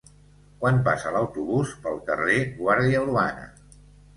Quan passa l'autobús pel carrer Guàrdia Urbana?